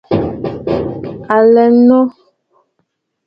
A lə̀ə̀ noò.